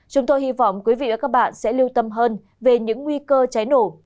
chúng tôi hy vọng quý vị và các bạn sẽ lưu tâm hơn về những nguy cơ cháy nổ